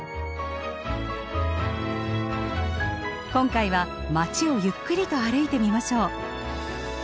今回は街をゆっくりと歩いてみましょう。